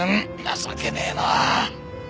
情けねえなあ。